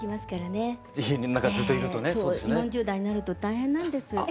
４０代になると大変なんです。